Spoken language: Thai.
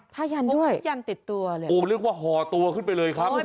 ผ้ายันด้วยโอ้โฮเรียกว่าห่อตัวขึ้นไปเลยครับโอ้โฮ